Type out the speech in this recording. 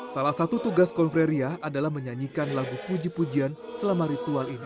salah satu tugas konfreria adalah menyanyikan lagu puji pujian selama ritual ini